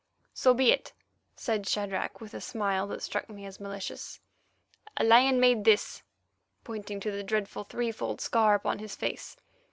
"So be it," said Shadrach with a smile that struck me as malicious. "A lion made this"—pointing to the dreadful threefold scar upon his face.